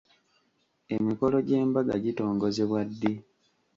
Emikolo gy'embaga gitongozebwa ddi ?